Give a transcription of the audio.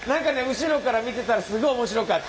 後ろから見てたらスゴい面白かった。